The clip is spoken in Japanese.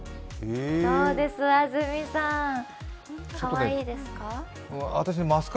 どうです、安住さんかわいいですか？